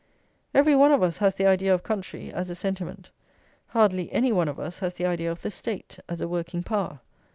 Every one of us has the idea of country, as a sentiment; hardly any one of us has the idea of the State, as a working power.